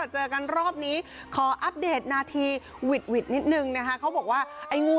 เจอกันรอบนี้ขออัปเดตนาทีหวิดนิดนึงนะคะเขาบอกว่าไอ้งู